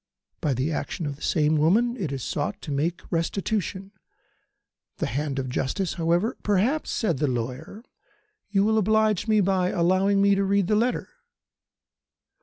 By the action of the same woman it is sought to make restitution. The hand of justice, however " "Perhaps," said the lawyer, "you will oblige me by allowing me to read the letter."